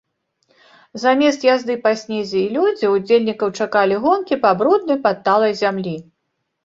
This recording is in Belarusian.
Замест язды па снезе і лёдзе ўдзельнікаў чакалі гонкі па бруднай падталай зямлі.